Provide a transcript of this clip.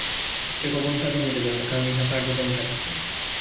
ইচ্ছা কখনও স্বাধীন হইতে পারে না, কারণ ইহা কার্য-কারণ-সাপেক্ষ।